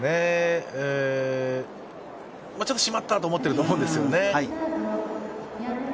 ちょっとしまったと思っていると思うんですよね。